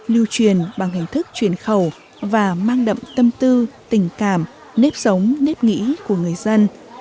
lưu truyền bằng hình thức chuyển khẩu và mang đậm tâm tư tình cảm nếp sống nếp nghĩ của người dân